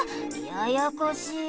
ややこしい。